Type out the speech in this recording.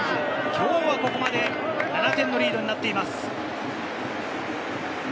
今日はここまで７点のリードとなっています。